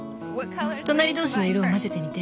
隣同士の色を混ぜてみて。